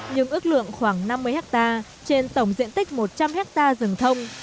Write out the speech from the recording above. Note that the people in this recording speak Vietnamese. nhưng ước lượng khoảng năm mươi hectare trên tổng diện tích một trăm linh hectare rừng thông